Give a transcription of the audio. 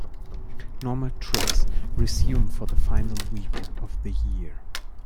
Normal trips resume for the final week of the year.